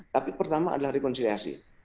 tapi pertama adalah rekonsiliasi